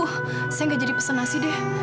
saya enggak jadi pesan nasi deh